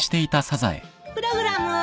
プログラムを。